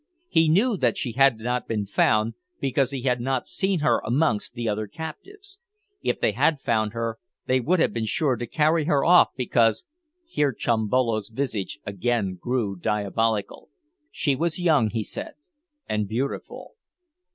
He knew that she had not been found, because he had not seen her amongst the other captives. If they had found her they would have been sure to carry her off, because here Chimbolo's visage again grew diabolical she was young, he said, and beautiful.